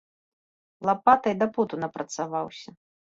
Лапатай да поту напрацаваўся.